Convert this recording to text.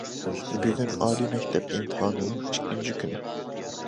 بۈگۈن ئالىي مەكتەپ ئىمتىھانىنىڭ ئىككىنچى كۈنى.